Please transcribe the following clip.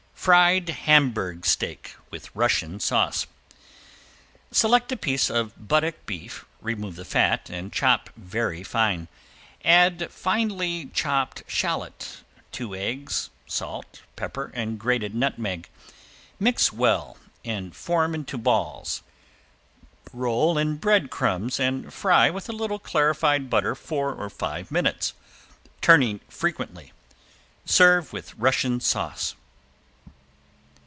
~FRIED HAMBURG STEAK, WITH RUSSIAN SAUCE~ Select a piece of buttock beef, remove the fat and chop very fine. Add finely chopped shallot, two eggs, salt, pepper, and grated nutmeg. Mix well and form into balls. Roll in bread crumbs and fry with a little clarified butter four or five minutes, turning frequently. Serve with Russian sauce.